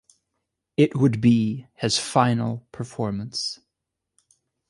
It would be his final performance.